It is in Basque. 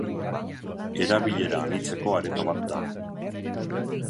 Erabilera anitzeko areto bat da.